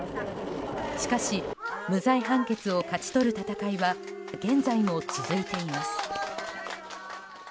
しかし無罪判決を勝ち取る闘いは現在も続いています。